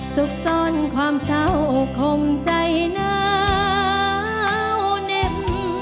ซุกซ่อนความเศร้าคมใจหนาวเหน็บ